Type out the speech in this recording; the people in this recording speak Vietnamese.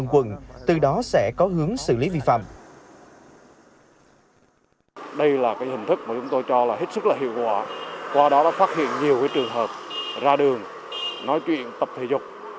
qua đó đã phát hiện nhiều trường hợp ra đường nói chuyện tập thể dục